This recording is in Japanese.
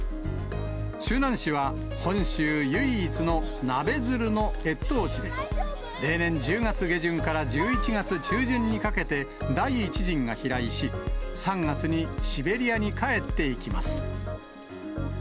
周南市は本州唯一のナベヅルの越冬地で、例年１０月下旬から１１月中旬にかけて第一陣が飛来し、３月にシベリアに帰っていきます。